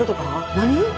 何？